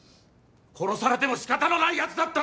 殺されてもしかたのないやつだったんだよ！